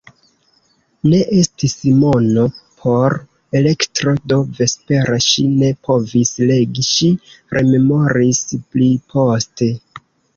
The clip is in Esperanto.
Ne estis mono por elektro, do vespere ŝi ne povis legi, ŝi rememoris pliposte.